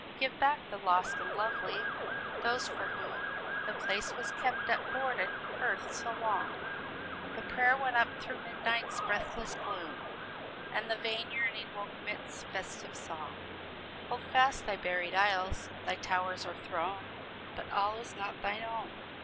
"Give back the lost and lovely! those for whom The place was kept at board and hearth so long, The prayer went up through midnight's breathless gloom, And the vain yearning woke 'midst festive song! Hold fast thy buried isles, thy towers or throne But all is not thine own.